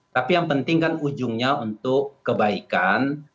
tapi yang penting kan ujungnya untuk kebaikan